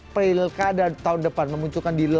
perilkada tahun depan memunculkan